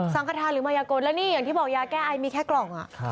ขทานหรือมายากลแล้วนี่อย่างที่บอกยาแก้ไอมีแค่กล่อง